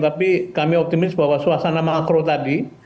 tapi kami optimis bahwa suasana makro tadi